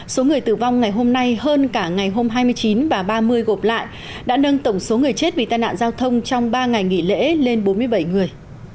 số người tử vong ngày hôm nay hơn cả ngày hôm hai mươi chín và ba mươi gộp lại đã nâng tổng số người chết vì tai nạn giao thông trong ba ngày nghỉ lễ lên bốn mươi bảy người